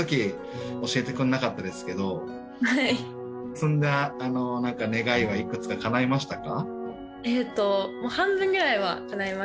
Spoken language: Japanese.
積んだ願いはいくつか叶いましたか？